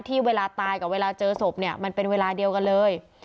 เวลาตายกับเวลาเจอศพเนี่ยมันเป็นเวลาเดียวกันเลย